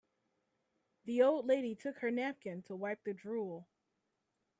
The old lady took her napkin to wipe the drool.